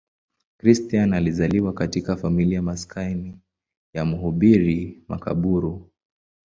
Christian alizaliwa katika familia maskini ya mhubiri makaburu.